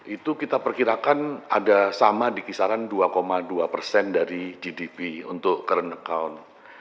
itu kita perkirakan ada sama di kisaran dua dua persen dari gdp untuk current account